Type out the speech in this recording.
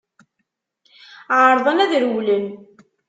Ԑerḍen ad rewlen.